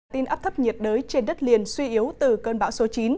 tin áp thấp nhiệt đới trên đất liền suy yếu từ cơn bão số chín